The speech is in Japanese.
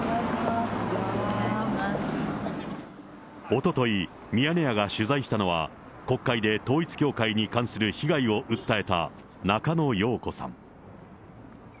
おととい、ミヤネ屋が取材したのは、国会で統一教会に関する被害を訴えた、中野容子さん。